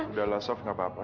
udah lah sof gak apa apa